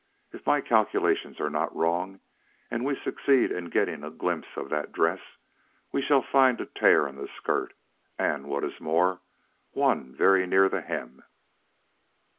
If my calculations are not wrong and we succeed in getting a glimpse of that dress, we shall find a tear in the skirt and what is more, one very near the hem."